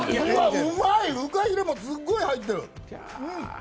うまい、フカヒレもすっごい入ってる。